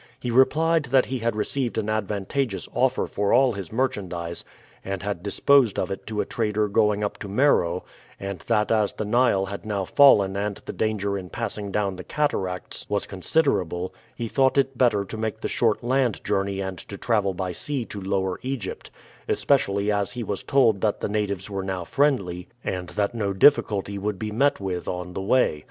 He replied that he had received an advantageous offer for all his merchandise and had disposed of it to a trader going up to Meroe, and that as the Nile had now fallen and the danger in passing down the cataracts was considerable, he thought it better to make the short land journey and to travel by sea to Lower Egypt; especially as he was told that the natives were now friendly, and that no difficulty would be met with on the way.